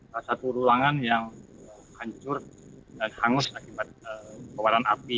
salah satu ruangan yang hancur dan hangus akibat kewaran api